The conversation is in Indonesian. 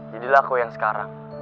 jadilah aku yang sekarang